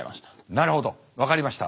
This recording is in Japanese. なるほど分かりました。